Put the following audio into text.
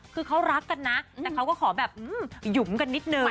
คือเขารักกันนะแต่เขาก็ขอแบบหยุมกันนิดนึง